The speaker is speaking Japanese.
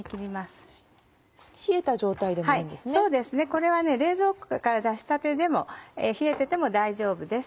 これは冷蔵庫から出したてでも冷えてても大丈夫です。